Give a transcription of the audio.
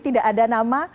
tidak ada nama